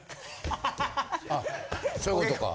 あそういうことか。